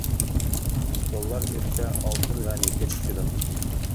دوللار ئۆسسە، ئالتۇن ۋە نېفىت چۈشىدۇ.